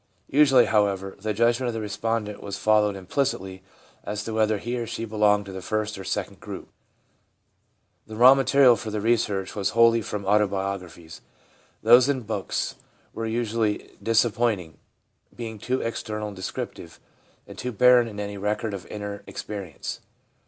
Usually, however, the judgment of the respondent was followed implicitly as to whether he or she belonged to the first or second group. The raw material for the research was wholly from autobiographies ; those in books were usually dis appointing, being too external and descriptive, and too barren in any record of inner experience.